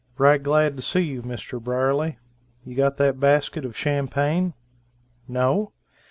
Right glad to see you Mr. Brierly. You got that basket of champagne? No?